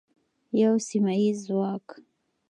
یو سیمه ییز ځواک.